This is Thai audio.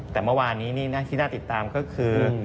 แต่เมื่อวานนี้นี่ที่น่าติดตามก็คือ